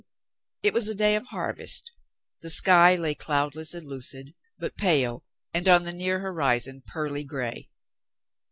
It was a day of harvest. The sky lay cloudless and lucid, but pale and on the near horizon pearly gray.